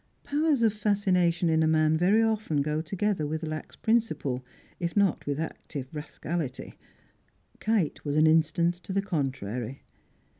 Powers of fascination in a man very often go together with lax principle, if not with active rascality; Kite was an instance to the contrary.